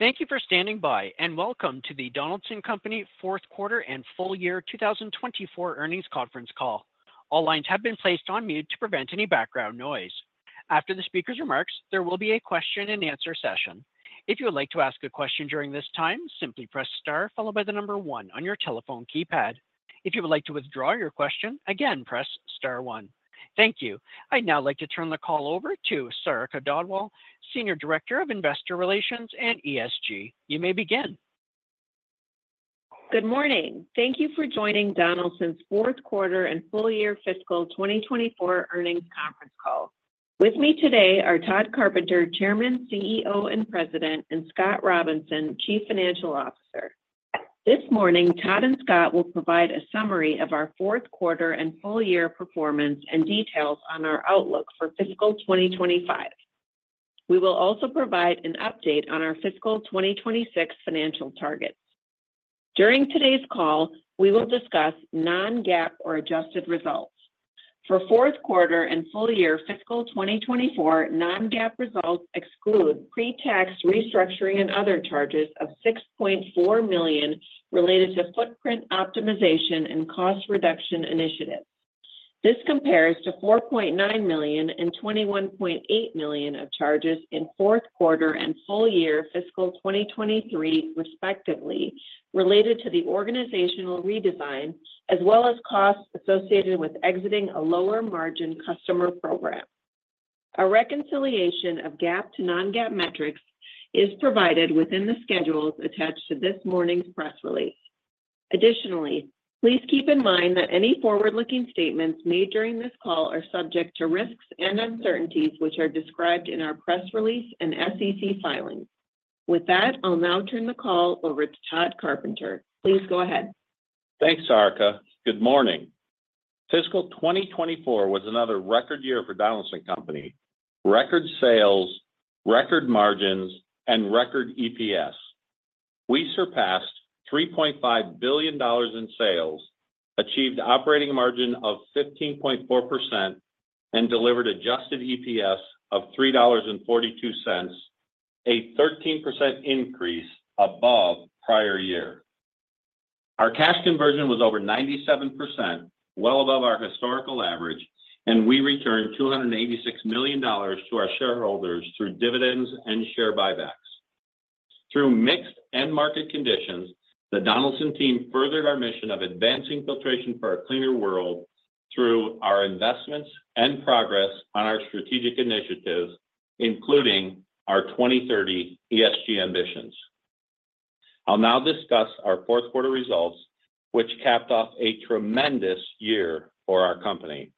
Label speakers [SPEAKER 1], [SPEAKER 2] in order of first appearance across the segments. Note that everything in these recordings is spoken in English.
[SPEAKER 1] Thank you for standing by, and welcome to the Donaldson Company fourth quarter and full year two thousand and twenty-four earnings conference call. All lines have been placed on mute to prevent any background noise. After the speaker's remarks, there will be a question and answer session. If you would like to ask a question during this time, simply press star followed by the number one on your telephone keypad. If you would like to withdraw your question, again, press star one. Thank you. I'd now like to turn the call over to Sarika Dhadwal, Senior Director of Investor Relations and ESG. You may begin.
[SPEAKER 2] Good morning. Thank you for joining Donaldson's fourth quarter and full year fiscal twenty twenty-four earnings conference call. With me today are Tod Carpenter, Chairman, CEO, and President, and Scott Robinson, Chief Financial Officer. This morning, Tod and Scott will provide a summary of our fourth quarter and full year performance and details on our outlook for fiscal twenty 2025. We will also provide an update on our fiscal twenty twenty-six financial targets. During today's call, we will discuss non-GAAP or adjusted results. For fourth quarter and full year fiscal twenty twenty-four, non-GAAP results exclude pre-tax restructuring and other charges of $6.4 million related to footprint optimization and cost reduction initiatives. This compares to $4.9 million and $21.8 million of charges in fourth quarter and full year fiscal 2023, respectively, related to the organizational redesign, as well as costs associated with exiting a lower margin customer program. A reconciliation of GAAP to non-GAAP metrics is provided within the schedules attached to this morning's press release. Additionally, please keep in mind that any forward-looking statements made during this call are subject to risks and uncertainties, which are described in our press release and SEC filings. With that, I'll now turn the call over to Tod Carpenter. Please go ahead.
[SPEAKER 3] Thanks, Sarika. Good morning. Fiscal 2024 was another record year for Donaldson Company. Record sales, record margins, and record EPS. We surpassed $3.5 billion in sales, achieved operating margin of 15.4%, and delivered adjusted EPS of $3.42, a 13% increase above prior year. Our cash conversion was over 97%, well above our historical average, and we returned $286 million to our shareholders through dividends and share buybacks. Through mixed end market conditions, the Donaldson team furthered our mission of advancing filtration for a cleaner world through our investments and progress on our strategic initiatives, including our 2030 ESG ambitions. I'll now discuss our fourth quarter results, which capped off a tremendous year for our company.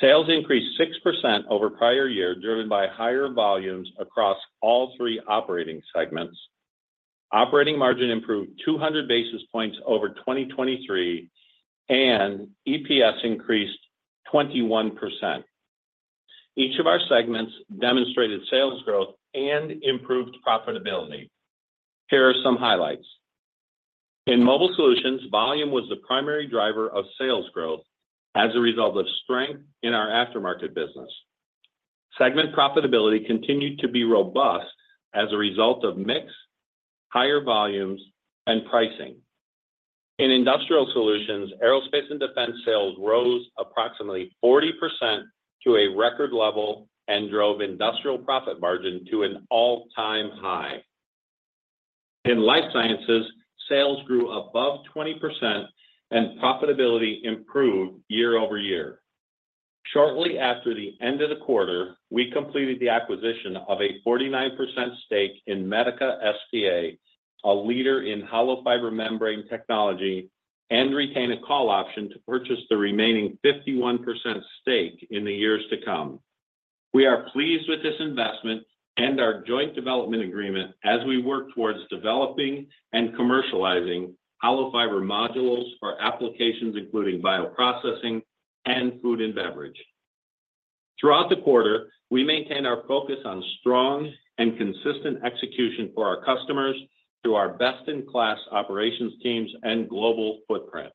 [SPEAKER 3] Sales increased 6% over prior year, driven by higher volumes across all three operating segments. Operating margin improved 200 basis points over 2023, and EPS increased 21%. Each of our segments demonstrated sales growth and improved profitability. Here are some highlights. In Mobile Solutions, volume was the primary driver of sales growth as a result of strength in our aftermarket business. Segment profitability continued to be robust as a result of mix, higher volumes, and pricing. In Industrial Solutions, aerospace and defense sales rose approximately 40% to a record level and drove industrial profit margin to an all-time high. In Life Sciences, sales grew above 20% and profitability improved year over year. Shortly after the end of the quarter, we completed the acquisition of a 49% stake in Medica S.p.A., a leader in hollow fiber membrane technology, and retained a call option to purchase the remaining 51% stake in the years to come. We are pleased with this investment and our joint development agreement as we work towards developing and commercializing hollow fiber modules for applications, including bioprocessing and food and beverage. Throughout the quarter, we maintained our focus on strong and consistent execution for our customers through our best-in-class operations teams and global footprint.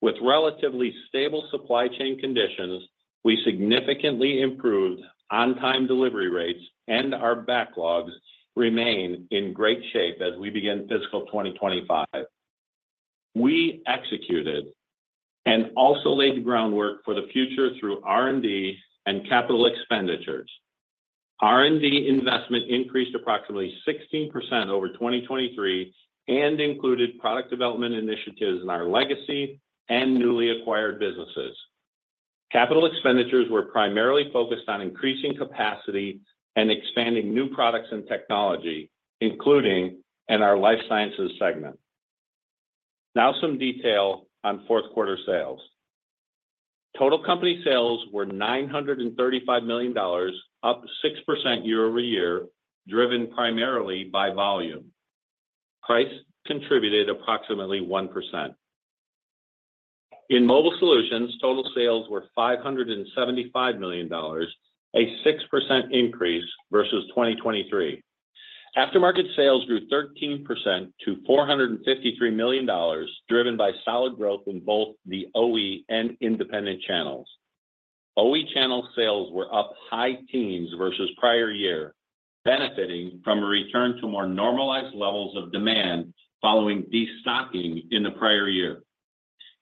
[SPEAKER 3] With relatively stable supply chain conditions, we significantly improved on-time delivery rates, and our backlogs remain in great shape as we begin fiscal 2025. We executed and also laid the groundwork for the future through R&D and capital expenditures. R&D investment increased approximately 16% over 2023 and included product development initiatives in our legacy and newly acquired businesses. Capital expenditures were primarily focused on increasing capacity and expanding new products and technology, including in our Life Sciences segment. Now, some detail on fourth quarter sales. Total company sales were $935 million, up 6% year over year, driven primarily by volume. Price contributed approximately 1%. In Mobile Solutions, total sales were $575 million, a 6% increase versus 2023. Aftermarket sales grew 13% to $453 million, driven by solid growth in both the OE and independent channels. OE channel sales were up high teens versus prior year, benefiting from a return to more normalized levels of demand following destocking in the prior year.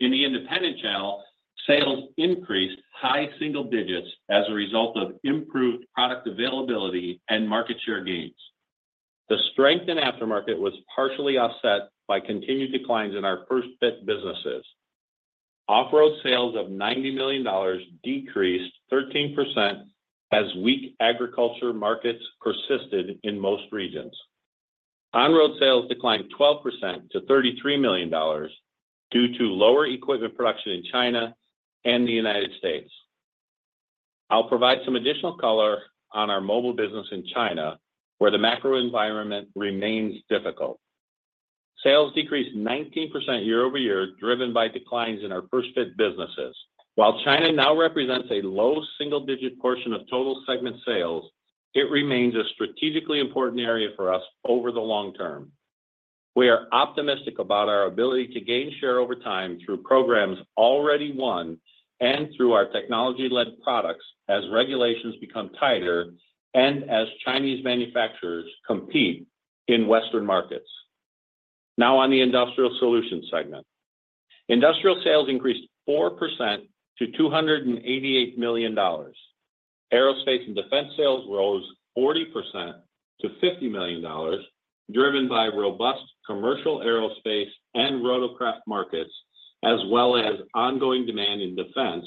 [SPEAKER 3] In the independent channel, sales increased high single digits as a result of improved product availability and market share gains. The strength in aftermarket was partially offset by continued declines in our first-fit businesses. Off-road sales of $90 million decreased 13% as weak agriculture markets persisted in most regions. On-road sales declined 12% to $33 million due to lower equipment production in China and the United States. I'll provide some additional color on our mobile business in China, where the macro environment remains difficult. Sales decreased 19% year over year, driven by declines in our first-fit businesses. While China now represents a low single-digit portion of total segment sales, it remains a strategically important area for us over the long term. We are optimistic about our ability to gain share over time through programs already won and through our technology-led products as regulations become tighter and as Chinese manufacturers compete in Western markets. Now, on the Industrial Solutions segment. Industrial sales increased 4% to $288 million. Aerospace and Defense sales rose 40% to $50 million, driven by robust commercial aerospace and rotorcraft markets, as well as ongoing demand in defense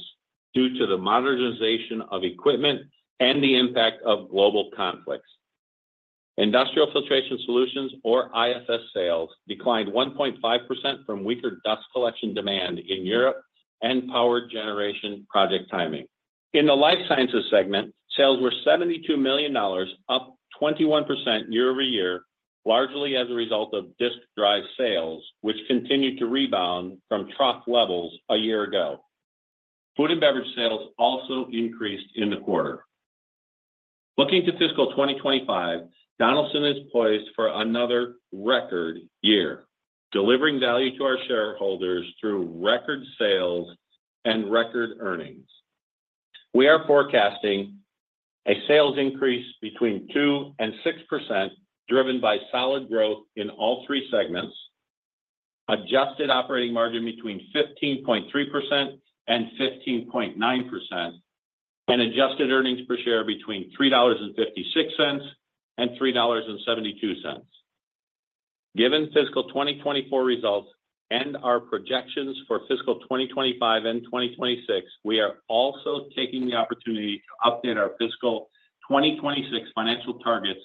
[SPEAKER 3] due to the modernization of equipment and the impact of global conflicts. Industrial Filtration Solutions, or IFS sales, declined 1.5% from weaker dust collection demand in Europe and power generation project timing. In the Life Sciences segment, sales were $72 million, up 21% year over year, largely as a result of disk drive sales, which continued to rebound from trough levels a year ago. Food and beverage sales also increased in the quarter. Looking to fiscal 2025, Donaldson is poised for another record year, delivering value to our shareholders through record sales and record earnings. We are forecasting a sales increase between 2% and 6%, driven by solid growth in all three segments, adjusted operating margin between 15.3% and 15.9%, and adjusted earnings per share between $3.56 and $3.72. Given fiscal 2024 results and our projections for fiscal 2025 and 2026, we are also taking the opportunity to update our fiscal 2026 financial targets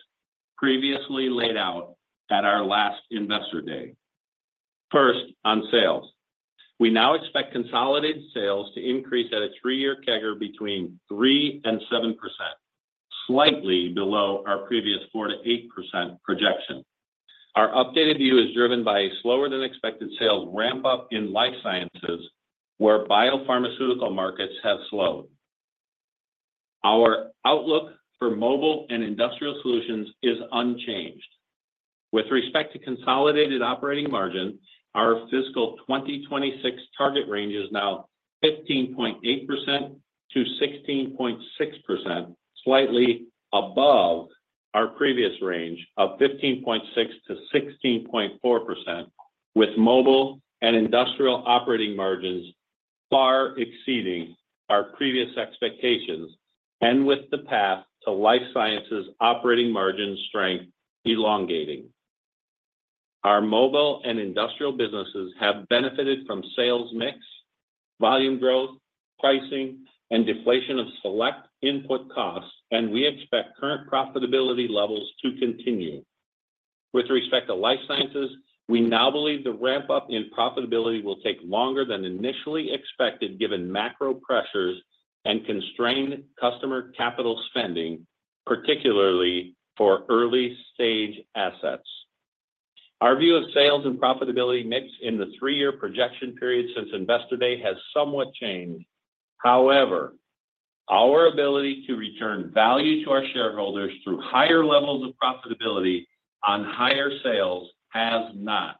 [SPEAKER 3] previously laid out at our last Investor Day. First, on sales. We now expect consolidated sales to increase at a three-year CAGR between 3% and 7%, slightly below our previous 4% to 8% projection. Our updated view is driven by a slower-than-expected sales ramp-up in Life Sciences, where biopharmaceutical markets have slowed. Our outlook for Mobile Solutions and Industrial Solutions is unchanged. With respect to consolidated operating margin, our fiscal 2026 target range is now 15.8%-16.6%, slightly above our previous range of 15.6%-16.4%, with mobile and industrial operating margins far exceeding our previous expectations, and with the path to Life Sciences operating margin strength elongating. Our mobile and industrial businesses have benefited from sales mix, volume growth, pricing, and deflation of select input costs, and we expect current profitability levels to continue. With respect to Life Sciences, we now believe the ramp-up in profitability will take longer than initially expected, given macro pressures and constrained customer capital spending, particularly for early-stage assets. Our view of sales and profitability mix in the three-year projection period since Investor Day has somewhat changed. However, our ability to return value to our shareholders through higher levels of profitability on higher sales has not.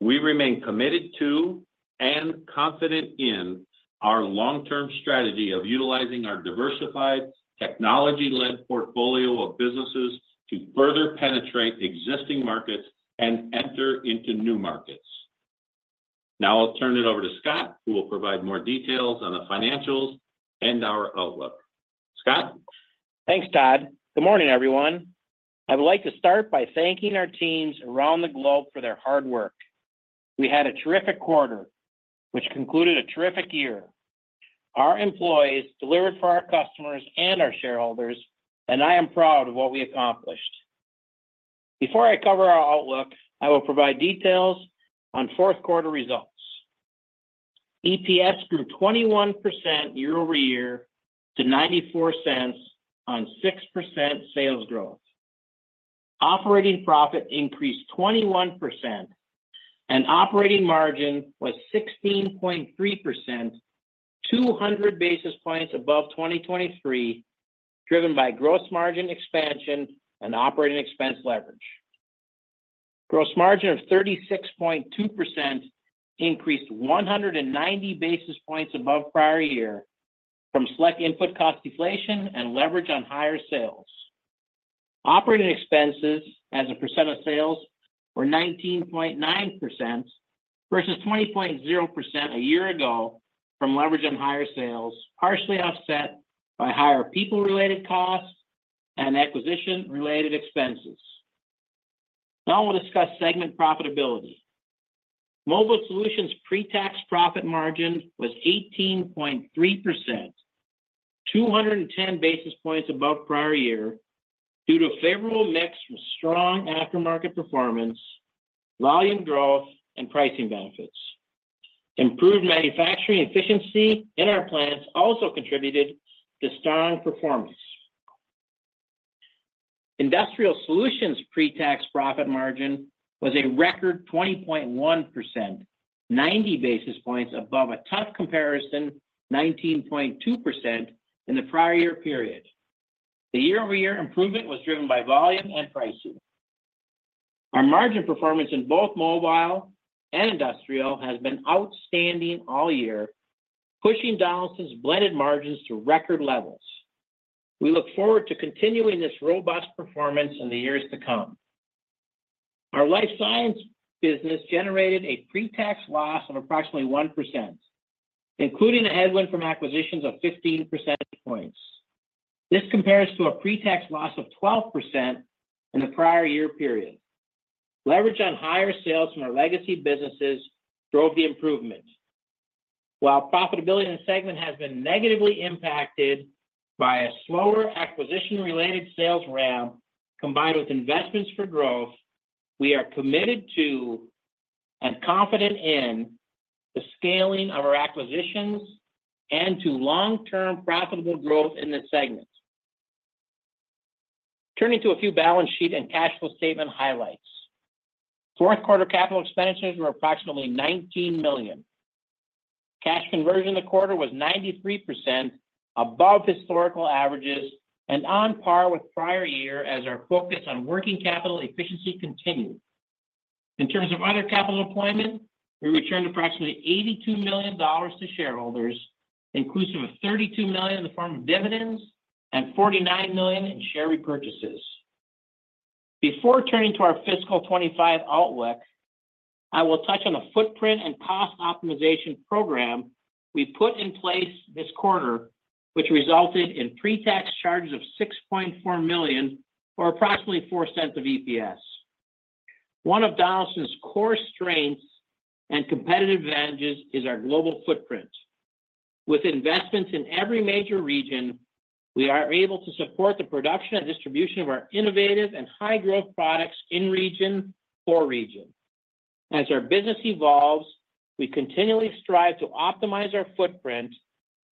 [SPEAKER 3] We remain committed to and confident in our long-term strategy of utilizing our diversified, technology-led portfolio of businesses to further penetrate existing markets and enter into new markets. Now I'll turn it over to Scott, who will provide more details on the financials and our outlook. Scott?
[SPEAKER 4] Thanks, Tod. Good morning, everyone. I would like to start by thanking our teams around the globe for their hard work. We had a terrific quarter, which concluded a terrific year. Our employees delivered for our customers and our shareholders, and I am proud of what we accomplished. Before I cover our outlook, I will provide details on fourth quarter results. EPS grew 21% year over year to $0.94 on 6% sales growth. Operating profit increased 21%, and operating margin was 16.3%, 200 basis points above 2023, driven by gross margin expansion and operating expense leverage. Gross margin of 36.2% increased 190 basis points above prior year from select input cost deflation and leverage on higher sales. Operating expenses as a percent of sales were 19.9% versus 20.0% a year ago from leverage on higher sales, partially offset by higher people-related costs and acquisition-related expenses. Now I'll discuss segment profitability. Mobile Solutions' pre-tax profit margin was 18.3%, 210 basis points above prior year, due to a favorable mix from strong aftermarket performance, volume growth, and pricing benefits. Improved manufacturing efficiency in our plants also contributed to strong performance. Industrial Solutions' pre-tax profit margin was a record 20.1%, 90 basis points above a tough comparison, 19.2% in the prior year period. The year-over-year improvement was driven by volume and pricing. Our margin performance in both mobile and industrial has been outstanding all year, pushing Donaldson's blended margins to record levels. We look forward to continuing this robust performance in the years to come. Our Life Sciences business generated a pre-tax loss of approximately 1%, including a headwind from acquisitions of 15 percentage points. This compares to a pre-tax loss of 12% in the prior year period. Leverage on higher sales from our legacy businesses drove the improvement. While profitability in the segment has been negatively impacted by a slower acquisition-related sales ramp, combined with investments for growth, we are committed to and confident in the scaling of our acquisitions and to long-term profitable growth in this segment. Turning to a few balance sheet and cash flow statement highlights. Fourth quarter capital expenditures were approximately $19 million. Cash conversion in the quarter was 93% above historical averages and on par with prior year as our focus on working capital efficiency continued. In terms of other capital deployment, we returned approximately $82 million to shareholders, inclusive of $32 million in the form of dividends and $49 million in share repurchases. Before turning to our fiscal 2025 outlook, I will touch on the footprint and cost optimization program we put in place this quarter, which resulted in pre-tax charges of $6.4 million or approximately $0.04 of EPS. One of Donaldson's core strengths and competitive advantages is our global footprint. With investments in every major region, we are able to support the production and distribution of our innovative and high-growth products in region, for region. As our business evolves, we continually strive to optimize our footprint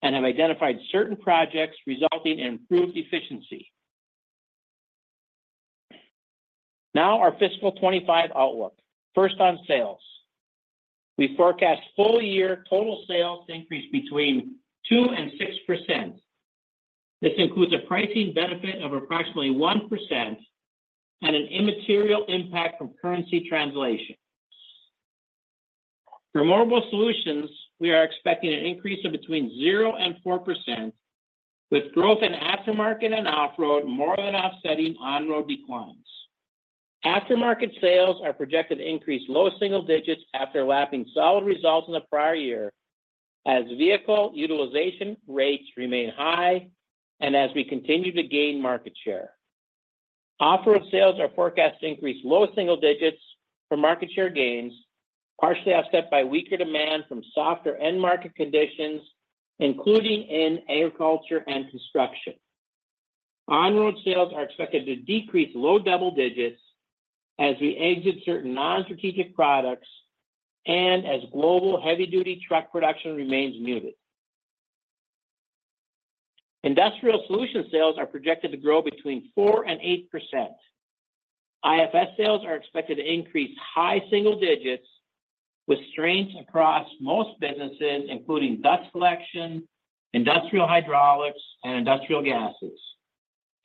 [SPEAKER 4] and have identified certain projects resulting in improved efficiency. Now, our fiscal 2025 outlook. First on sales. We forecast full year total sales to increase between 2% and 6%. This includes a pricing benefit of approximately 1% and an immaterial impact from currency translation. For Mobile Solutions, we are expecting an increase of between 0% and 4%, with growth in aftermarket and off-road more than offsetting on-road declines. Aftermarket sales are projected to increase low single digits after lapping solid results in the prior year as vehicle utilization rates remain high and as we continue to gain market share. Off-road sales are forecast to increase low single digits for market share gains, partially offset by weaker demand from softer end market conditions, including in agriculture and construction. On-road sales are expected to decrease low double digits as we exit certain non-strategic products and as global heavy-duty truck production remains muted. Industrial Solutions sales are projected to grow between 4% and 8%. IFS sales are expected to increase high single digits with strength across most businesses, including dust collection, industrial hydraulics, and industrial gases.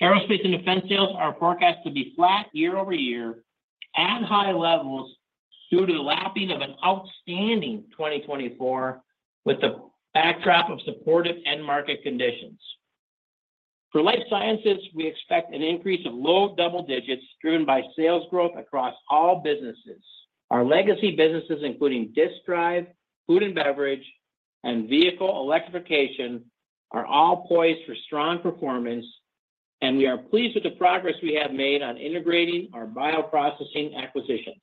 [SPEAKER 4] Aerospace and Defense sales are forecast to be flat year over year at high levels due to the lapping of an outstanding twenty twenty-four, with the backdrop of supportive end market conditions. For Life Sciences, we expect an increase of low double digits, driven by sales growth across all businesses. Our legacy businesses, including disk drive, food and beverage, and vehicle electrification, are all poised for strong performance, and we are pleased with the progress we have made on integrating our bioprocessing acquisitions.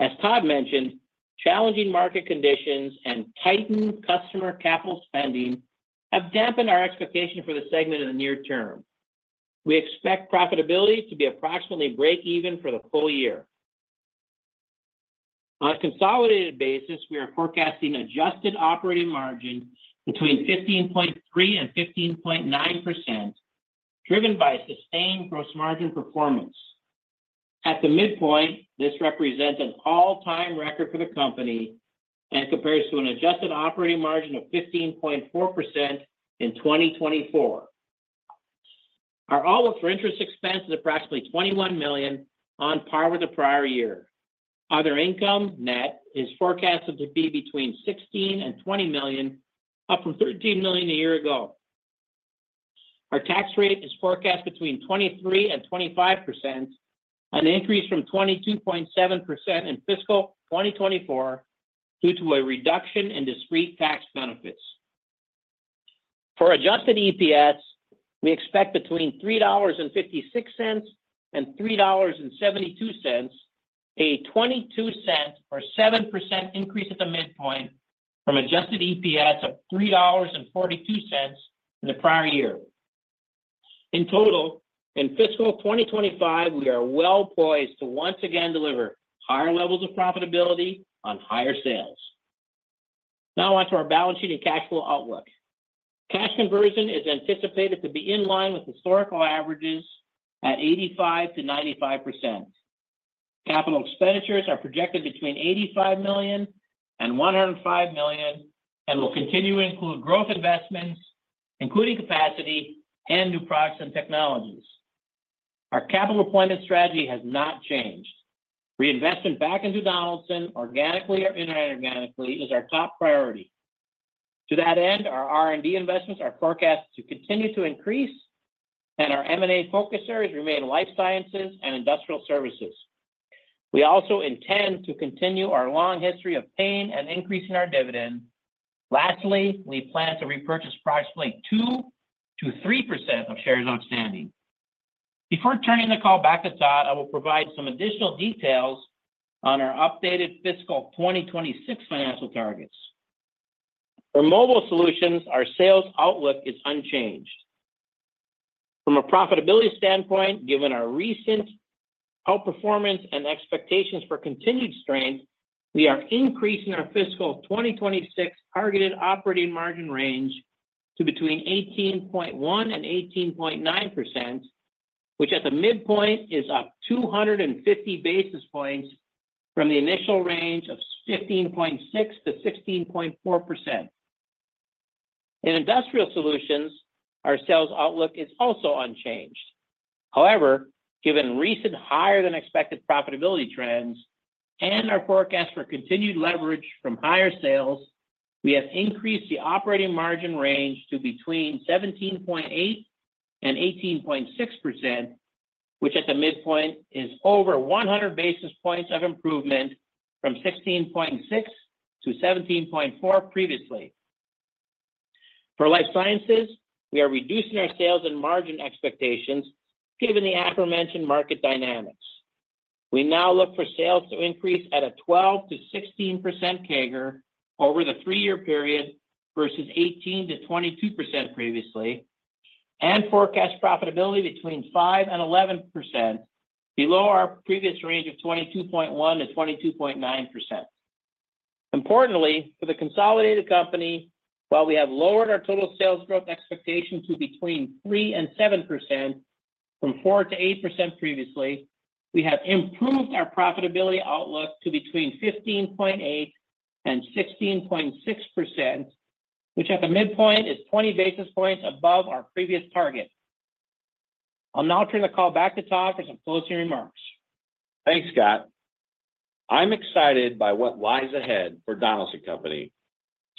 [SPEAKER 4] As Tod mentioned, challenging market conditions and tightened customer capital spending have dampened our expectation for the segment in the near term. We expect profitability to be approximately break even for the full year. On a consolidated basis, we are forecasting adjusted operating margin between 15.3% and 15.9%, driven by sustained gross margin performance. At the midpoint, this represents an all-time record for the company and compares to an adjusted operating margin of 15.4% in 2024. Our outlook for interest expense is approximately $21 million, on par with the prior year. Other income, net is forecasted to be between $16 million and $20 million, up from $13 million a year ago. Our tax rate is forecast between 23% and 25%, an increase from 22.7% in fiscal 2024 due to a reduction in discrete tax benefits. For adjusted EPS, we expect between $3.56 and $3.72, a 22-cent or 7% increase at the midpoint from adjusted EPS of $3.42 in the prior year. In total, in fiscal 2025, we are well poised to once again deliver higher levels of profitability on higher sales. Now, on to our balance sheet and cash flow outlook. Cash conversion is anticipated to be in line with historical averages at 85%-95%. Capital expenditures are projected between $85 million and $105 million, and will continue to include growth investments, including capacity and new products and technologies. Our capital deployment strategy has not changed. Reinvesting back into Donaldson, organically or inorganically, is our top priority. To that end, our R&D investments are forecast to continue to increase, and our M&A focus areas remain Life Sciences and Industrial Solutions. We also intend to continue our long history of paying and increasing our dividend. Lastly, we plan to repurchase approximately 2-3% of shares outstanding. Before turning the call back to Tod, I will provide some additional details on our updated fiscal twenty twenty-six financial targets. For Mobile Solutions, our sales outlook is unchanged. From a profitability standpoint, given our recent outperformance and expectations for continued strength, we are increasing our fiscal twenty twenty-six targeted operating margin range to between 18.1% and 18.9%, which at the midpoint is up 250 basis points from the initial range of 15.6-16.4%. In Industrial Solutions, our sales outlook is also unchanged. However, given recent higher than expected profitability trends and our forecast for continued leverage from higher sales, we have increased the operating margin range to between 17.8% and 18.6%, which at the midpoint is over 100 basis points of improvement from 16.6% to 17.4% previously. For Life Sciences, we are reducing our sales and margin expectations, given the aforementioned market dynamics. We now look for sales to increase at a 12%-16% CAGR over the three-year period, versus 18%-22% previously, and forecast profitability between 5% and 11%, below our previous range of 22.1%-22.9%. Importantly, for the consolidated company, while we have lowered our total sales growth expectation to between 3% and 7%, from 4% to 8% previously, we have improved our profitability outlook to between 15.8% and 16.6%, which at the midpoint is 20 basis points above our previous target. I'll now turn the call back to Tod for some closing remarks.
[SPEAKER 3] Thanks, Scott. I'm excited by what lies ahead for Donaldson Company.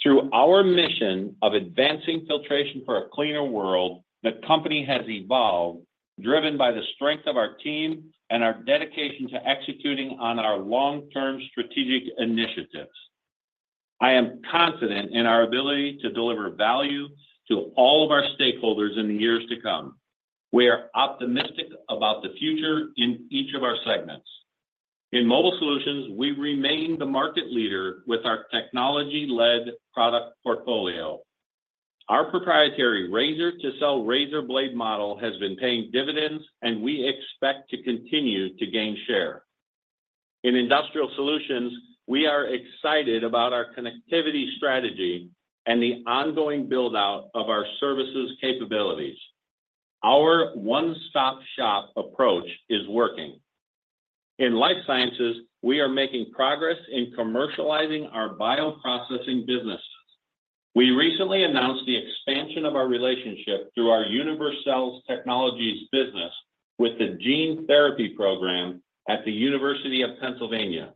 [SPEAKER 3] Through our mission of advancing filtration for a cleaner world, the company has evolved, driven by the strength of our team and our dedication to executing on our long-term strategic initiatives. I am confident in our ability to deliver value to all of our stakeholders in the years to come. We are optimistic about the future in each of our segments. In Mobile Solutions, we remain the market leader with our technology-led product portfolio. Our proprietary razor to sell razor blade model has been paying dividends, and we expect to continue to gain share. In Industrial Solutions, we are excited about our connectivity strategy and the ongoing build-out of our services capabilities. Our one-stop-shop approach is working. In Life Sciences, we are making progress in commercializing our bioprocessing businesses. We recently announced the expansion of our relationship through our Univercells Technologies business with the Gene Therapy Program at the University of Pennsylvania.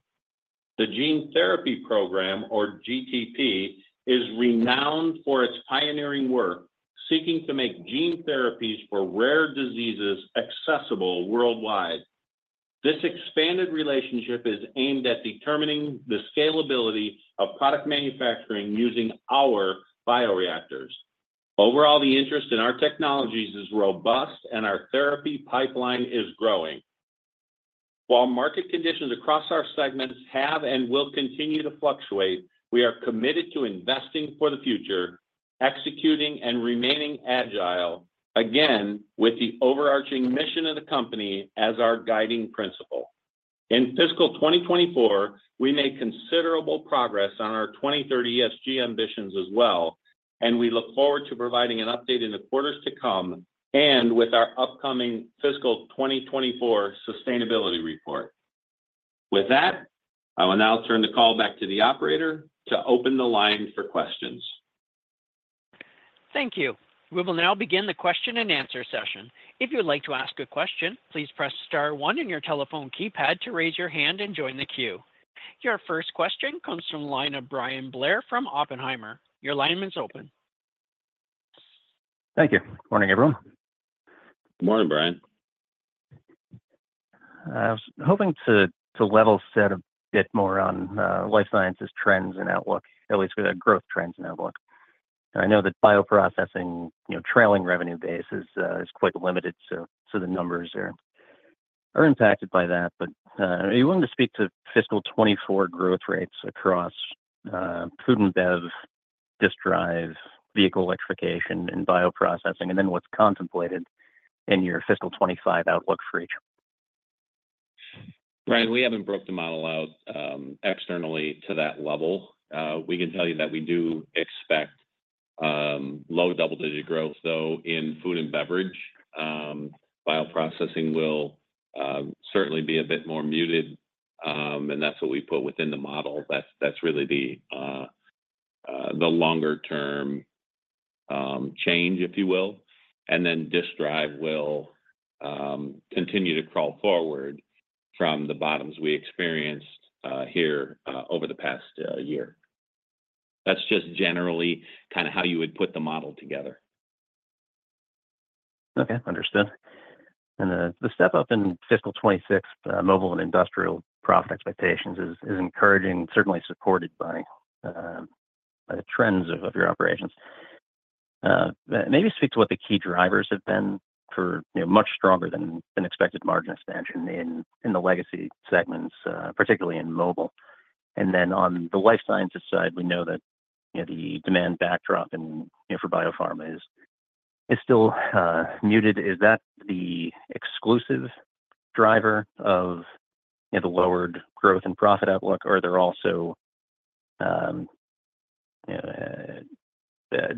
[SPEAKER 3] The Gene Therapy Program, or GTP, is renowned for its pioneering work, seeking to make gene therapies for rare diseases accessible worldwide. This expanded relationship is aimed at determining the scalability of product manufacturing using our bioreactors. Overall, the interest in our technologies is robust, and our therapy pipeline is growing. While market conditions across our segments have and will continue to fluctuate, we are committed to investing for the future, executing and remaining agile, again, with the overarching mission of the company as our guiding principle. In fiscal 2024, we made considerable progress on our 2030 ESG ambitions as well, and we look forward to providing an update in the quarters to come, and with our upcoming fiscal 2024 sustainability report. With that, I will now turn the call back to the operator to open the line for questions.
[SPEAKER 1] Thank you. We will now begin the question-and-answer session. If you would like to ask a question, please press star one in your telephone keypad to raise your hand and join the queue. Your first question comes from the line of Bryan Blair from Oppenheimer. Your line is open.
[SPEAKER 5] Thank you. Morning, everyone.
[SPEAKER 3] Morning, Brian.
[SPEAKER 5] I was hoping to level set a bit more on Life Sciences trends and outlook, at least with the growth trends and outlook. I know that bioprocessing, you know, trailing revenue base is quite limited, so the numbers are impacted by that. But are you willing to speak to fiscal twenty-four growth rates across food and bev, disk drive, vehicle electrification, and bioprocessing, and then what's contemplated in your fiscal 2025 outlook for each?
[SPEAKER 3] Brian, we haven't broke the model out, externally to that level. We can tell you that we do expect, low double-digit growth, though, in food and beverage. Bioprocessing will, certainly be a bit more muted, and that's what we put within the model. That's, that's really the, the longer term, change, if you will. And then disk drive will, continue to crawl forward from the bottoms we experienced, here, over the past, year. That's just generally kind of how you would put the model together.
[SPEAKER 5] Okay, understood. And the step up in fiscal 2026 mobile and industrial profit expectations is encouraging, certainly supported by the trends of your operations. But maybe speak to what the key drivers have been for, you know, much stronger than expected margin expansion in the legacy segments, particularly in mobile. And then on the Life Sciences side, we know that, you know, the demand backdrop and, you know, for biopharma is still muted. Is that the exclusive driver of, you know, the lowered growth and profit outlook? Or are there also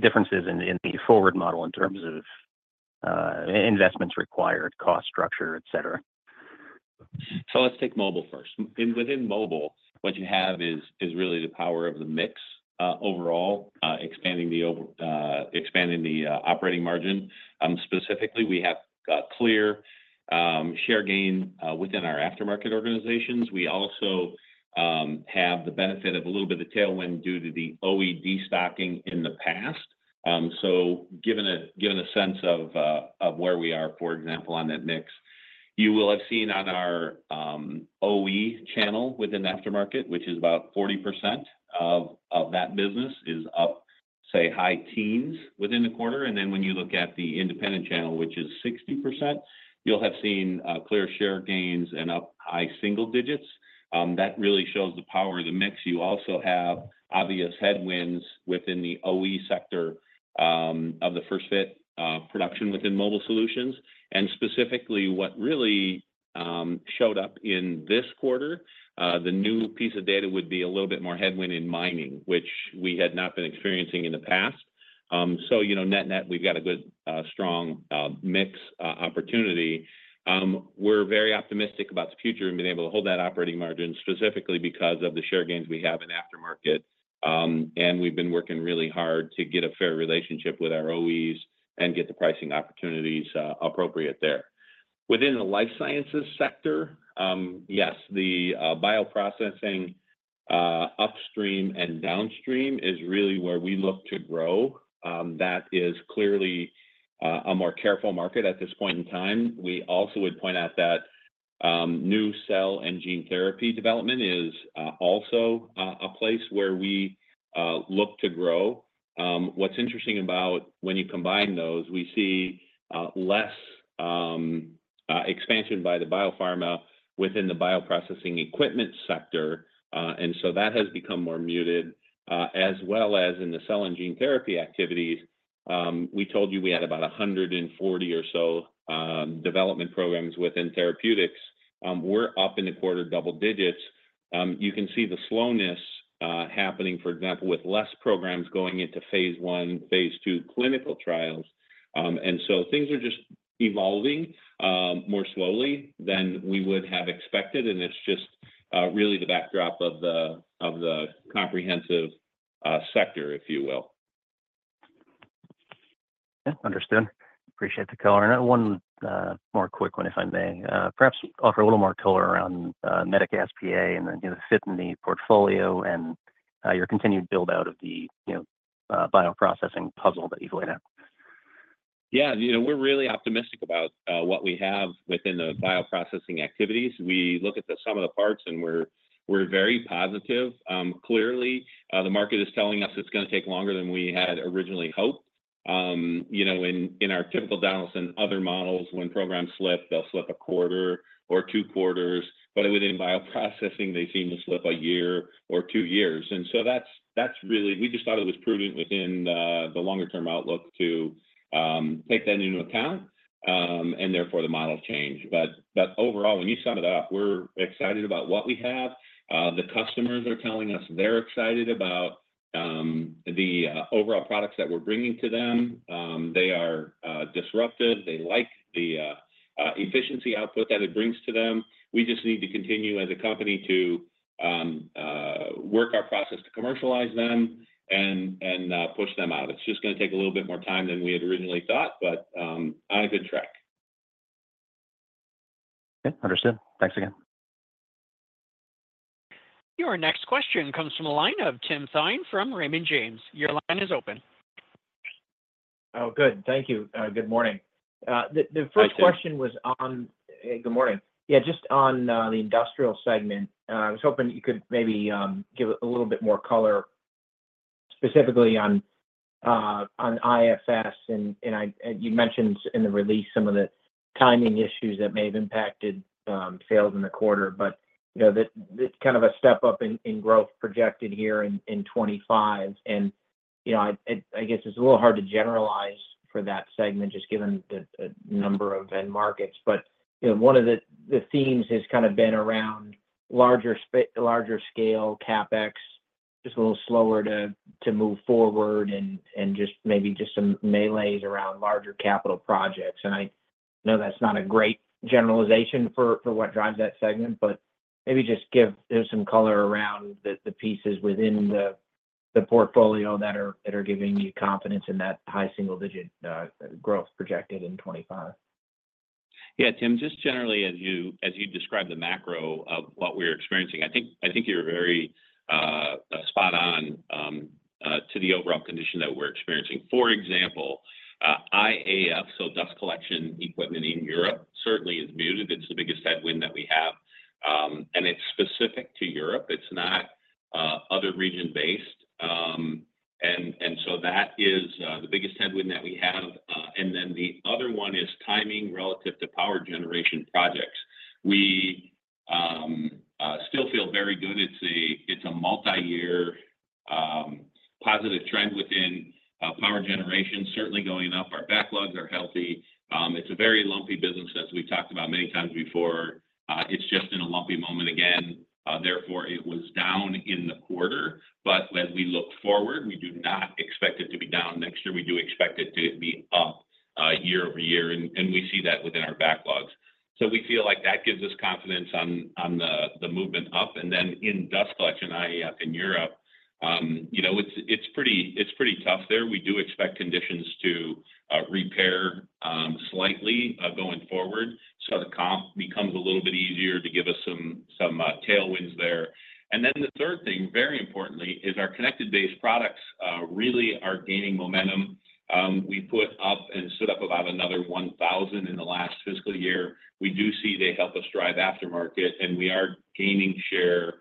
[SPEAKER 5] differences in the forward model in terms of investments required, cost structure, et cetera?
[SPEAKER 3] So let's take mobile first. Within mobile, what you have is really the power of the mix, overall, expanding the operating margin. Specifically, we have a clear share gain within our aftermarket organizations. We also have the benefit of a little bit of the tailwind due to the OE destocking in the past. So given a sense of where we are, for example, on that mix, you will have seen on our OE channel within the aftermarket, which is about 40% of that business is up, say, high teens within the quarter, and then when you look at the independent channel, which is 60%, you'll have seen clear share gains and up high single digits. That really shows the power of the mix. You also have obvious headwinds within the OE sector of the first fit production within Mobile Solutions. And specifically, what really showed up in this quarter, the new piece of data would be a little bit more headwind in mining, which we had not been experiencing in the past. So, you know, net-net, we've got a good strong mix opportunity. We're very optimistic about the future and being able to hold that operating margin, specifically because of the share gains we have in aftermarket. And we've been working really hard to get a fair relationship with our OEs and get the pricing opportunities appropriate there. Within the Life Sciences sector, yes, the bioprocessing upstream and downstream is really where we look to grow. That is clearly a more careful market at this point in time. We also would point out that new cell and gene therapy development is also a place where we look to grow. What's interesting about when you combine those, we see less expansion by the biopharma within the bioprocessing equipment sector, and so that has become more muted. As well as in the cell and gene therapy activities, we told you we had about 140 or so development programs within therapeutics. We're up in the quarter double digits. You can see the slowness happening, for example, with less programs going into phase one, phase two clinical trials. And so things are just evolving more slowly than we would have expected, and it's just really the backdrop of the comprehensive sector, if you will.
[SPEAKER 5] Yeah. Understood. Appreciate the color. And one more quick one, if I may. Perhaps offer a little more color around Medica S.p.A. and the, you know, fit in the portfolio and your continued build-out of the, you know, bioprocessing puzzle that you've laid out.
[SPEAKER 3] Yeah, you know, we're really optimistic about what we have within the bioprocessing activities. We look at the sum of the parts, and we're very positive. Clearly, the market is telling us it's gonna take longer than we had originally hoped. You know, in our typical Donaldson other models, when programs slip, they'll slip a quarter or two quarters, but within bioprocessing, they seem to slip a year or two years. And so that's really. We just thought it was prudent within the longer term outlook to take that into account, and therefore, the model changed. But overall, when you sum it up, we're excited about what we have. The customers are telling us they're excited about the overall products that we're bringing to them. They are disrupted. They like the efficiency output that it brings to them. We just need to continue as a company to work our process to commercialize them and push them out. It's just gonna take a little bit more time than we had originally thought, but on a good track.
[SPEAKER 4] Okay, understood. Thanks again.
[SPEAKER 1] Your next question comes from the line of Tim Thein from Raymond James. Your line is open.
[SPEAKER 6] Oh, good. Thank you. Good morning. The first-
[SPEAKER 3] Hi, Tim.
[SPEAKER 6] Good morning. Yeah, just on the industrial segment. I was hoping you could maybe give a little bit more color, specifically on IFS. And you mentioned in the release some of the timing issues that may have impacted sales in the quarter. But you know, this is kind of a step up in growth projected here in 2025. And you know, I guess it's a little hard to generalize for that segment, just given the number of end markets. But you know, one of the themes has kind of been around larger scale CapEx, just a little slower to move forward and just maybe some malaise around larger capital projects. And I know that's not a great generalization for what drives that segment, but maybe just give us some color around the pieces within the portfolio that are giving you confidence in that high single digit growth projected in 2025.
[SPEAKER 3] Yeah, Tim, just generally, as you describe the macro of what we're experiencing, I think you're very spot on to the overall condition that we're experiencing. For example, IFS, so dust collection equipment in Europe, certainly is muted. It's the biggest headwind that we have. And it's specific to Europe. It's not other region-based. And so that is the biggest headwind that we have. And then the other one is timing relative to power generation projects. We still feel very good. It's a multi-year positive trend within power generation. Certainly going up, our backlogs are healthy. It's a very lumpy business, as we've talked about many times before. It's just in a lumpy moment again, therefore, it was down in the quarter. But as we look forward, we do not expect it to be down next year. We do expect it to be up, year over year, and we see that within our backlogs. So we feel like that gives us confidence on the movement up. And then in dust collection, IFS in Europe, you know, it's pretty tough there. We do expect conditions to repair slightly going forward. So the comp becomes a little bit easier to give us some tailwinds there. And then the third thing, very importantly, is our connected base products really are gaining momentum. We put up and stood up about another one thousand in the last fiscal year. We do see they help us drive aftermarket, and we are gaining share,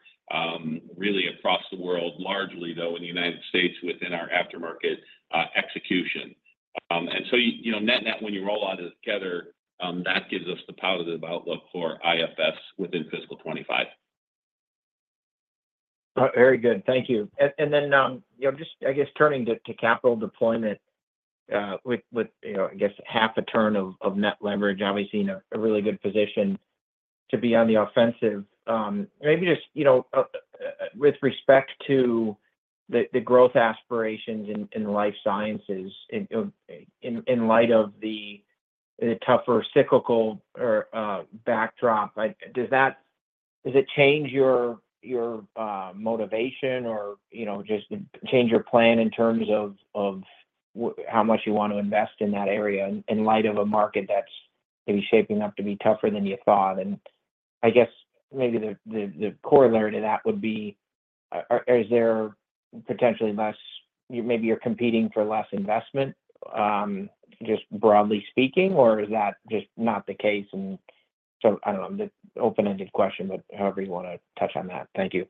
[SPEAKER 3] really across the world, largely, though, in the United States, within our aftermarket execution. And so, you know, net-net, when you roll all together, that gives us the positive outlook for IFS within fiscal 2025.
[SPEAKER 6] Very good, thank you. And then, you know, just I guess turning to capital deployment, with, you know, I guess half a turn of net leverage, obviously in a really good position to be on the offensive. Maybe just, you know, with respect to the growth aspirations in Life Sciences, in light of the tougher cyclical or backdrop, like, does it change your motivation or, you know, just change your plan in terms of how much you want to invest in that area in light of a market that's maybe shaping up to be tougher than you thought? And I guess maybe the corollary to that would be, is there potentially less... Maybe you're competing for less investment, just broadly speaking, or is that just not the case? And so I don't know, an open-ended question, but however you want to touch on that. Thank you.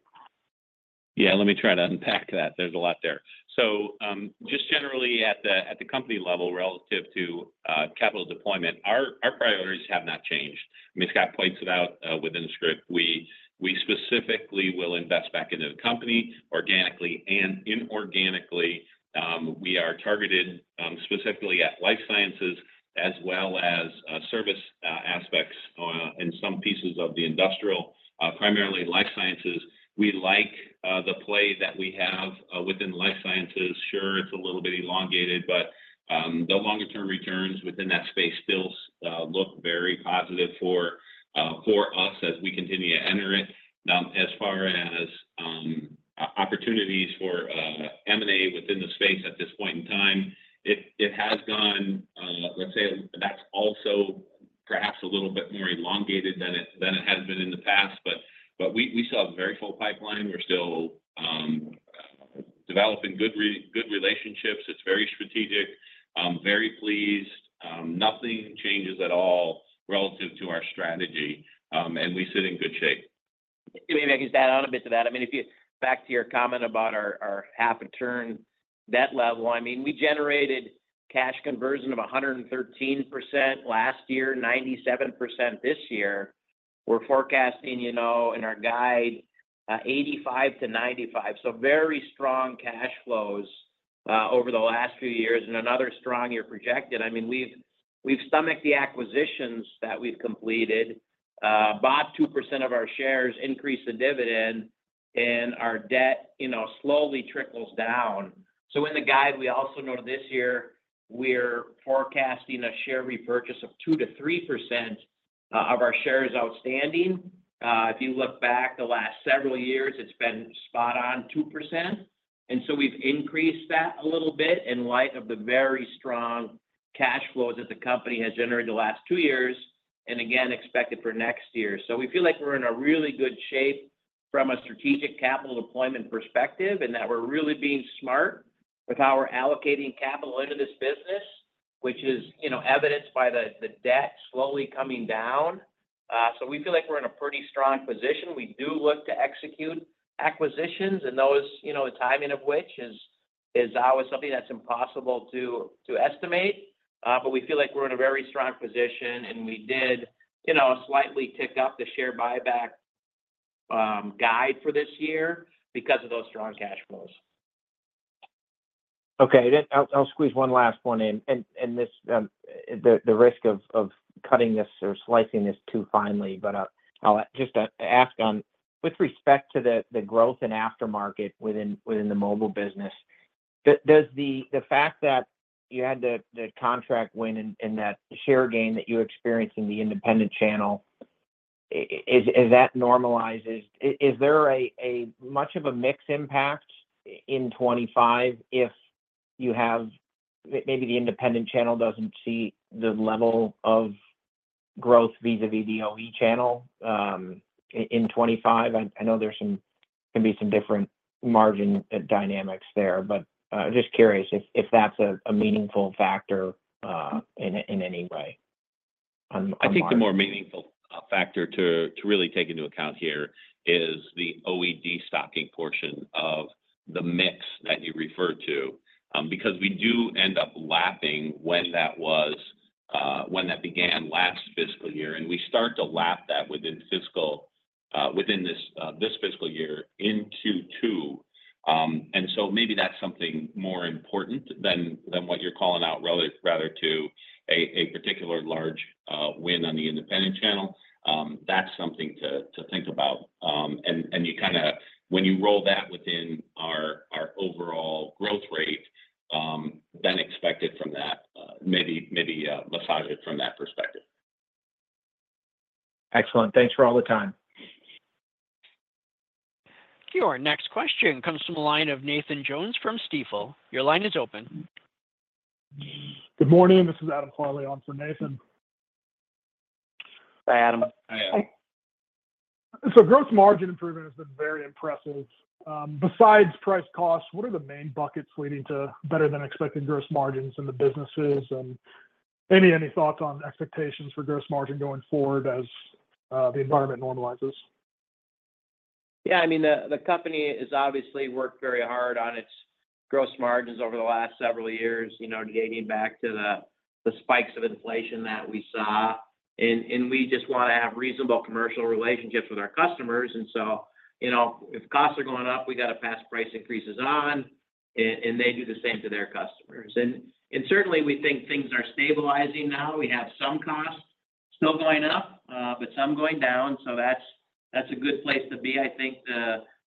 [SPEAKER 3] Yeah, let me try to unpack that. There's a lot there, so just generally at the company level, relative to capital deployment, our priorities have not changed. I mean, Scott points it out within the script. We specifically will invest back into the company organically and inorganically. We are targeted specifically at Life Sciences as well as service aspects in some pieces of the industrial, primarily Life Sciences. We like the play that we have within Life Sciences. Sure, it's a little bit elongated, but the longer term returns within that space still look very positive for us as we continue to enter it. As far as opportunities for M&A within the space at this point in time, it has gone, let's say that's also perhaps a little bit more elongated than it has been in the past. But we still have a very full pipeline. We're still developing good relationships. It's very strategic, very pleased. Nothing changes at all relative to our strategy, and we sit in good shape.
[SPEAKER 6] Maybe I can add on a bit to that. I mean, if you back to your comment about our half a turn debt level. I mean, we generated cash conversion of 113% last year, 97% this year. We're forecasting, you know, in our guide, 85%-95%, so very strong cash flows....
[SPEAKER 4] over the last few years, and another strong year projected. I mean, we've stomached the acquisitions that we've completed, bought 2% of our shares, increased the dividend, and our debt, you know, slowly trickles down, so in the guide, we also noted this year, we're forecasting a share repurchase of 2%-3% of our shares outstanding. If you look back the last several years, it's been spot on 2%, and so we've increased that a little bit in light of the very strong cash flows that the company has generated the last two years, and again, expected for next year. So we feel like we're in a really good shape from a strategic capital deployment perspective, and that we're really being smart with how we're allocating capital into this business, which is, you know, evidenced by the debt slowly coming down. So we feel like we're in a pretty strong position. We do look to execute acquisitions and those, you know, the timing of which is always something that's impossible to estimate. But we feel like we're in a very strong position, and we did, you know, slightly tick up the share buyback guide for this year because of those strong cash flows.
[SPEAKER 6] Okay. Then I'll squeeze one last one in. And this, the risk of cutting this or slicing this too finely, but I'll just ask on with respect to the growth in aftermarket within the mobile business, does the fact that you had the contract win and that share gain that you experienced in the independent channel, is, as that normalizes, is there much of a mix impact in 2025 if you have maybe the independent channel doesn't see the level of growth vis-a-vis the OE channel, in 2025? I know there can be some different margin dynamics there, but just curious if that's a meaningful factor in any way on margin.
[SPEAKER 3] I think the more meaningful factor to really take into account here is the OE destocking portion of the mix that you referred to. Because we do end up lapping when that began last fiscal year, and we start to lap that within this fiscal year in Q2. And so maybe that's something more important than what you're calling out, rather to a particular large win on the independent channel. That's something to think about. And you kind of, when you roll that within our overall growth rate, then expect it from that, maybe massage it from that perspective.
[SPEAKER 6] Excellent. Thanks for all the time.
[SPEAKER 1] Your next question comes from the line of Nathan Jones from Stifel. Your line is open.
[SPEAKER 7] Good morning, this is Adam Farley on for Nathan.
[SPEAKER 4] Hi, Adam.
[SPEAKER 3] Hi, Adam.
[SPEAKER 7] So gross margin improvement has been very impressive. Besides price costs, what are the main buckets leading to better-than-expected gross margins in the businesses? And maybe any thoughts on expectations for gross margin going forward as the environment normalizes?
[SPEAKER 4] Yeah, I mean, the company has obviously worked very hard on its gross margins over the last several years, you know, dating back to the spikes of inflation that we saw. And we just want to have reasonable commercial relationships with our customers, and so, you know, if costs are going up, we got to pass price increases on, and they do the same to their customers. And certainly, we think things are stabilizing now. We have some costs still going up, but some going down, so that's a good place to be. I think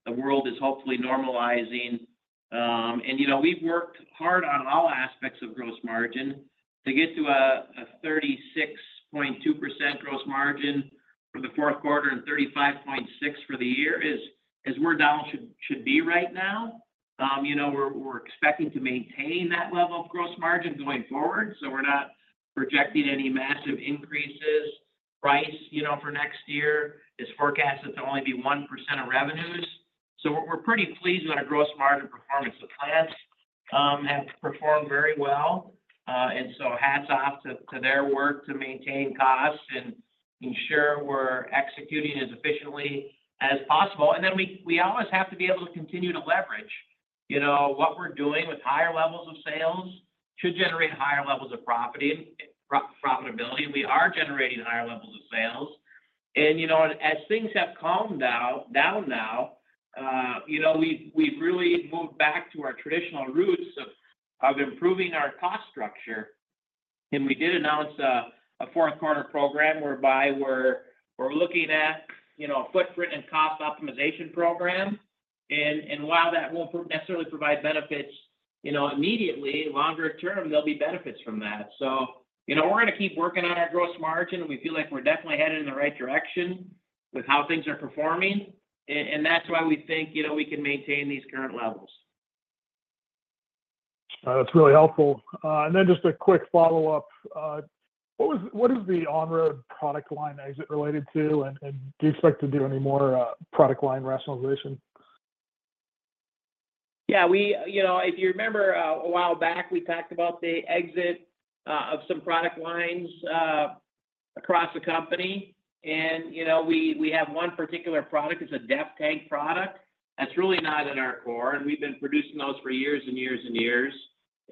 [SPEAKER 4] the world is hopefully normalizing. And you know, we've worked hard on all aspects of gross margin. To get to a 36.2% gross margin for the fourth quarter and 35.6% for the year is where we should be right now. You know, we're expecting to maintain that level of gross margin going forward, so we're not projecting any massive increases. Pricing, you know, for next year is forecasted to only be 1% of revenues. So we're pretty pleased on our gross margin performance. The plants have performed very well, and so hats off to their work to maintain costs and ensure we're executing as efficiently as possible. And then we always have to be able to continue to leverage, you know, what we're doing with higher levels of sales to generate higher levels of profitability. We are generating higher levels of sales. You know, as things have calmed down now, you know, we've really moved back to our traditional roots of improving our cost structure. We did announce a fourth quarter program whereby we're looking at, you know, a footprint and cost optimization program. While that won't necessarily provide benefits, you know, immediately, longer term, there'll be benefits from that. You know, we're gonna keep working on our gross margin, and we feel like we're definitely headed in the right direction with how things are performing. That's why we think, you know, we can maintain these current levels.
[SPEAKER 7] That's really helpful, and then just a quick follow-up. What is the on-road product line exit related to, and do you expect to do any more product line rationalization?
[SPEAKER 4] Yeah, we, you know, if you remember, a while back, we talked about the exit of some product lines across the company. You know, we have one particular product. It's a DEF tank product that's really not in our core, and we've been producing those for years and years and years,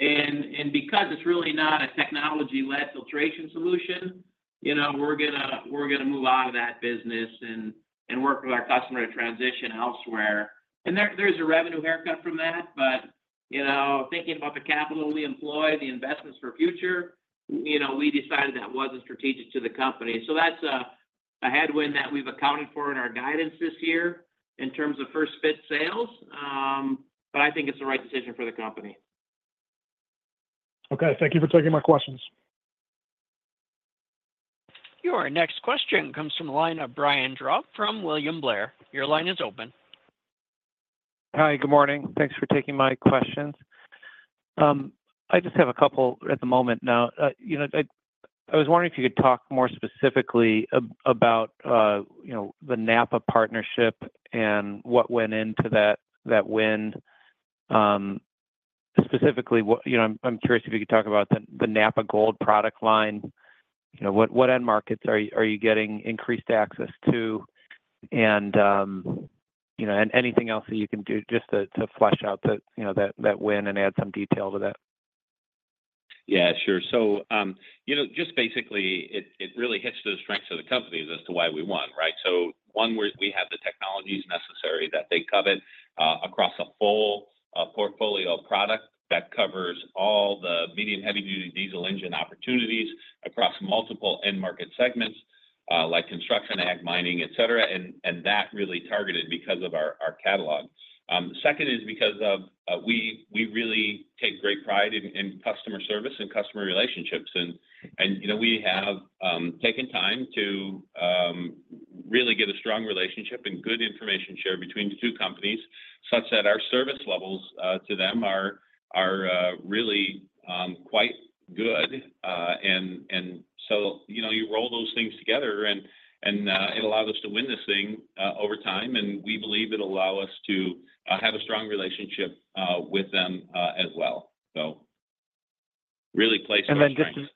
[SPEAKER 4] and because it's really not a technology-led filtration solution, you know, we're gonna move out of that business and work with our customer to transition elsewhere. There is a revenue haircut from that, but, you know, thinking about the capital we employ, the investments for future, you know, we decided that wasn't strategic to the company. So that's a headwind that we've accounted for in our guidance this year in terms of first-fit sales, but I think it's the right decision for the company.
[SPEAKER 8] Okay. Thank you for taking my questions.
[SPEAKER 1] Your next question comes from the line of Brian Drab from William Blair. Your line is open.
[SPEAKER 9] Hi, good morning. Thanks for taking my questions. I just have a couple at the moment now. You know, I was wondering if you could talk more specifically about the NAPA partnership and what went into that win. Specifically, what... You know, I'm curious if you could talk about the NAPA Gold product line. You know, what end markets are you getting increased access to? And, you know, and anything else that you can do just to flesh out that win and add some detail to that.
[SPEAKER 3] Yeah, sure. So, you know, just basically, it really hits the strengths of the company as to why we won, right? So one, we have the technologies necessary that they covet across a full portfolio of product that covers all the medium, heavy-duty diesel engine opportunities across multiple end market segments, like construction, ag, mining, et cetera, and that really targeted because of our catalog. Second is because of, we really take great pride in customer service and customer relationships. You know, we have taken time to really get a strong relationship and good information share between the two companies, such that our service levels to them are really quite good. You know, you roll those things together and it allows us to win this thing over time, and we believe it'll allow us to have a strong relationship with them as well, so really plays to our strength.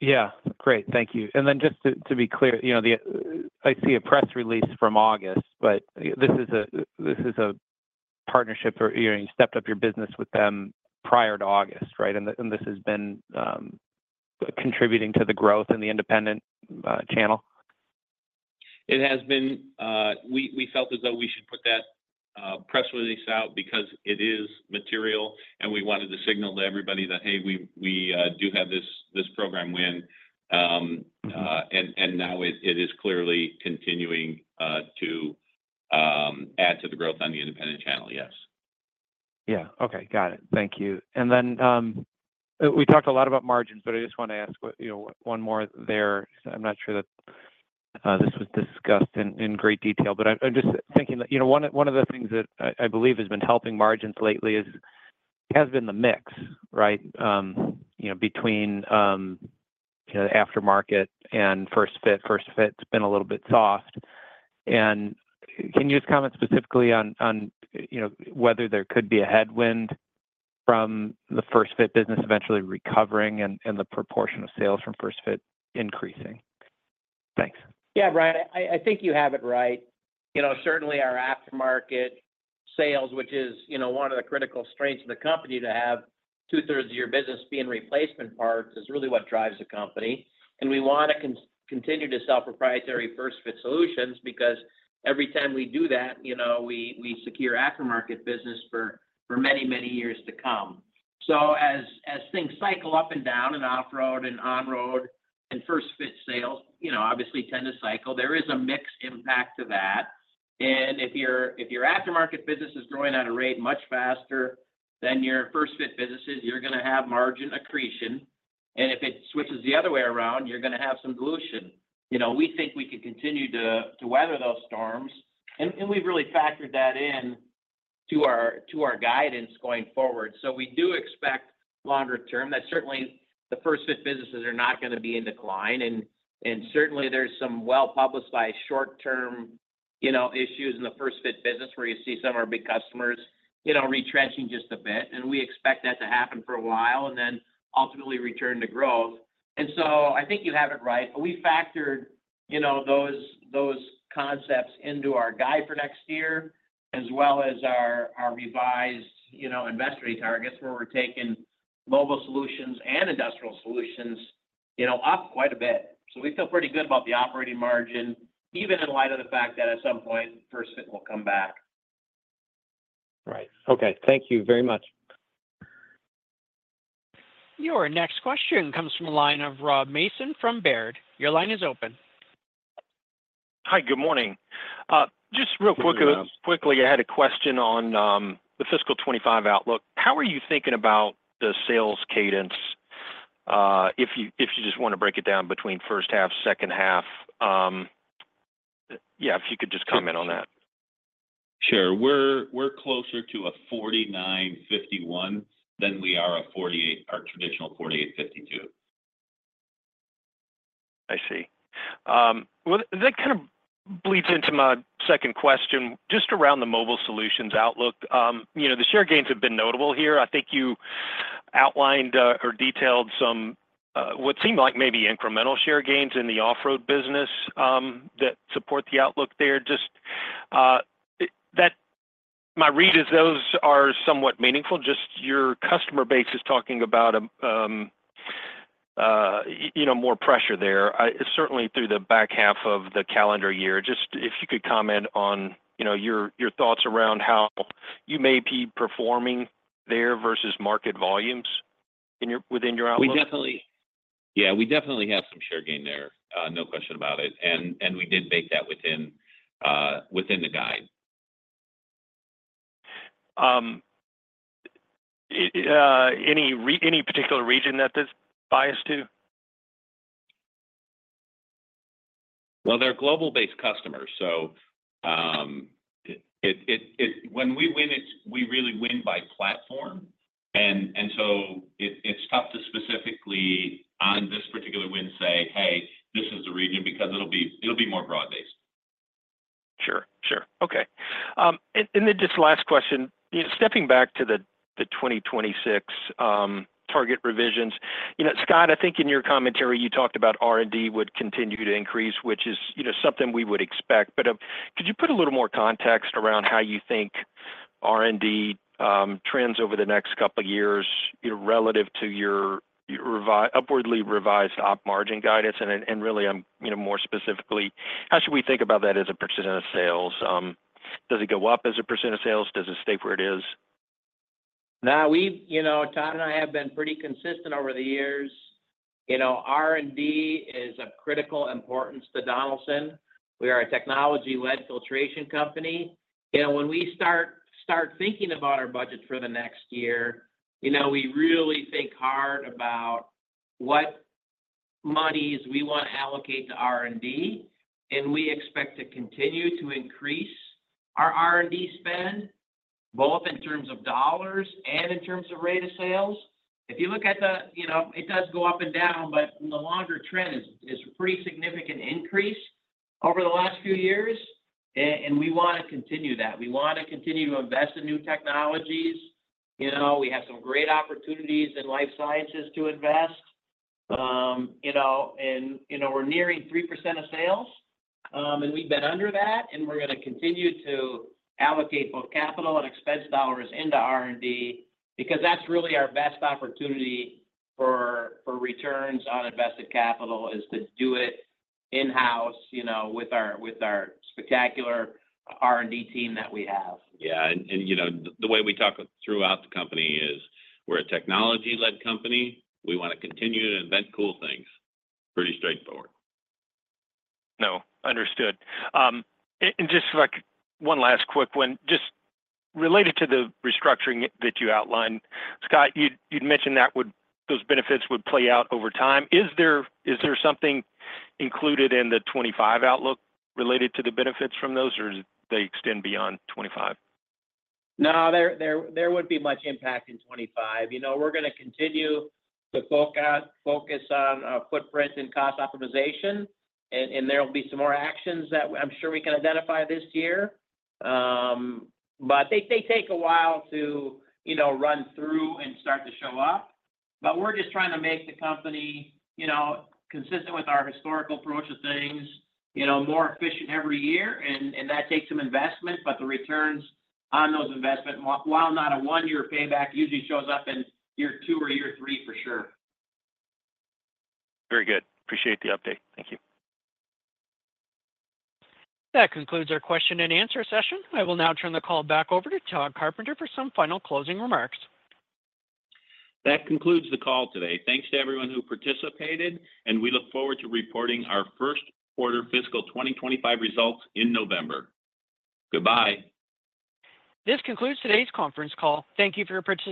[SPEAKER 9] Yeah, great. Thank you. And then just to be clear, you know, I see a press release from August, but this is a partnership for you, and you stepped up your business with them prior to August, right? And this has been contributing to the growth in the independent channel.
[SPEAKER 3] It has been. We felt as though we should put that press release out because it is material, and we wanted to signal to everybody that, "Hey, we do have this program win." And now it is clearly continuing to add to the growth on the independent channel. Yes.
[SPEAKER 9] Yeah. Okay. Got it. Thank you. And then, we talked a lot about margins, but I just want to ask what, you know, one more there. I'm not sure that this was discussed in great detail, but I'm just thinking that, you know, one of the things that I believe has been helping margins lately is the mix, right? You know, between the aftermarket and first-fit. First-fit's been a little bit soft. And can you just comment specifically on you know, whether there could be a headwind from the first-fit business eventually recovering and the proportion of sales from first-fit increasing? Thanks.
[SPEAKER 4] Yeah, Brian, I think you have it right. You know, certainly our aftermarket sales, which is, you know, one of the critical strengths of the company to have two-thirds of your business be in replacement parts, is really what drives the company. And we wanna continue to sell proprietary first-fit solutions, because every time we do that, you know, we secure aftermarket business for many, many years to come. So as things cycle up and down in off-road and on-road, and first fit sales, you know, obviously tend to cycle, there is a mixed impact to that. And if your aftermarket business is growing at a rate much faster than your first fit businesses, you're gonna have margin accretion, and if it switches the other way around, you're gonna have some dilution. You know, we think we can continue to weather those storms, and we've really factored that in to our guidance going forward. So we do expect longer term, that certainly the first-fit businesses are not gonna be in decline, and certainly there's some well-publicized but short-term, you know, issues in the first-fit business, where you see some of our big customers, you know, retrenching just a bit, and we expect that to happen for a while and then ultimately return to growth, and so I think you have it right, but we factored, you know, those concepts into our guide for next year, as well as our revised, you know, investment targets, where we're taking Mobile Solutions and Industrial Solutions, you know, up quite a bit. So we feel pretty good about the operating margin, even in light of the fact that at some point, first fit will come back.
[SPEAKER 9] Right. Okay, thank you very much.
[SPEAKER 1] Your next question comes from the line of Rob Mason from Baird. Your line is open.
[SPEAKER 8] Hi, good morning. Just real quick, I had a question on the fiscal 2025 outlook. How are you thinking about the sales cadence, if you just wanna break it down between first half, second half? Yeah, if you could just comment on that.
[SPEAKER 3] Sure. We're closer to a forty-nine, fifty-one than we are a forty-eight, our traditional forty-eight, fifty-two.
[SPEAKER 8] I see. Well, that kind of bleeds into my second question, just around the Mobile Solutions outlook. You know, the share gains have been notable here. I think you outlined or detailed some what seemed like maybe incremental share gains in the off-road business that support the outlook there. Just, that my read is those are somewhat meaningful, just your customer base is talking about you know more pressure there. Certainly through the back half of the calendar year. Just if you could comment on, you know, your thoughts around how you may be performing there versus market volumes within your outlook?
[SPEAKER 3] We definitely. Yeah, we definitely have some share gain there, no question about it, and we did bake that within the guide.
[SPEAKER 8] Any particular region that this is biased to?
[SPEAKER 3] They're global-based customers, so when we win, it's we really win by platform. And so it's tough to specifically, on this particular win, say, "Hey, this is the region," because it'll be more broad-based.
[SPEAKER 8] Sure, sure. Okay. And then just last question, stepping back to the 2026 target revisions, you know, Scott, I think in your commentary, you talked about R&D would continue to increase, which is, you know, something we would expect. But could you put a little more context around how you think R&D trends over the next couple of years, you know, relative to your upwardly revised op margin guidance? And really, you know, more specifically, how should we think about that as a % of sales? Does it go up as a % of sales? Does it stay where it is?
[SPEAKER 4] Now, we've you know, Tod and I have been pretty consistent over the years. You know, R&D is of critical importance to Donaldson. We are a technology-led filtration company, and when we start thinking about our budget for the next year, you know, we really think hard about what monies we want to allocate to R&D, and we expect to continue to increase our R&D spend, both in terms of dollars and in terms of rate of sales. If you look at the, you know, it does go up and down, but the longer trend is pretty significant increase over the last few years, and we wanna continue that. We wanna continue to invest in new technologies. You know, we have some great opportunities in Life Sciences to invest. You know, and you know, we're nearing 3% of sales, and we've been under that, and we're gonna continue to allocate both capital and expense dollars into R&D, because that's really our best opportunity for returns on invested capital, is to do it in-house, you know, with our spectacular R&D team that we have.
[SPEAKER 3] You know, the way we talk throughout the company is we're a technology-led company. We wanna continue to invent cool things. Pretty straightforward.
[SPEAKER 8] No, understood, and just like one last quick one. Just related to the restructuring that you outlined, Scott, you'd mentioned that those benefits would play out over time. Is there something included in the 2025 outlook related to the benefits from those, or they extend beyond 2025?
[SPEAKER 4] No, there would be much impact in 2025. You know, we're gonna continue to focus on footprint and cost optimization, and there will be some more actions that I'm sure we can identify this year, but they take a while to you know run through and start to show up, we're just trying to make the company you know consistent with our historical approach to things, you know, more efficient every year, and that takes some investment, but the returns on those investment while not a one-year payback usually shows up in year two or year three, for sure.
[SPEAKER 8] Very good. Appreciate the update. Thank you.
[SPEAKER 1] That concludes our question and answer session. I will now turn the call back over to Tod Carpenter for some final closing remarks.
[SPEAKER 3] That concludes the call today. Thanks to everyone who participated, and we look forward to reporting our first quarter fiscal twenty 2025 results in November. Goodbye.
[SPEAKER 1] This concludes today's conference call. Thank you for your participation.